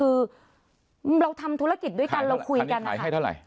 คือเราทำธุรกิจด้วยกันเราคุยกันขายให้เท่าไหร